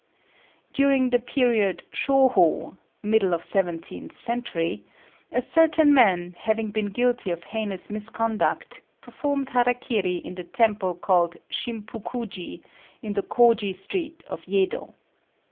During the period Shôhô (middle of seventeenth century), a certain man, having been guilty of heinous misconduct, performed hara kiri in the temple called Shimpukuji, in the Kôji street of Yedo.